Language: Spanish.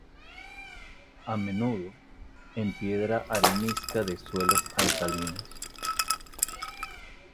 A menudo, en piedra arenisca de suelos alcalinos.